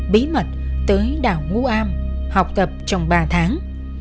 bí mật tới đảo ngũ am học tập trong ba tháng